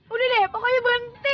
udah deh pokoknya berhenti